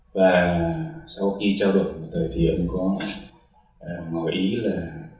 và sau khi trao đổi một thời thì ông có nói ý là